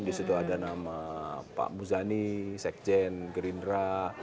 disitu ada nama pak buzani sekjen gerindra